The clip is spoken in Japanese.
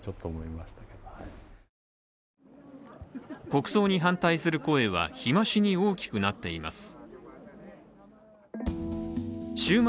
国葬に反対する声は日増しに大きくなっています。